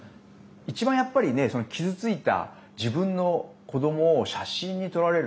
一番、やっぱりね傷ついた自分の子どもを写真に撮られる。